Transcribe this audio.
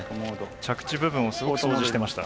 着地部分をすごく掃除してました。